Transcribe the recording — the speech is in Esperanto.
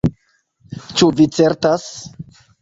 "Ĉu vi certas?"